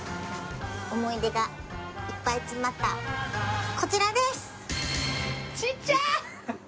思い出がいっぱい詰まったこちらです！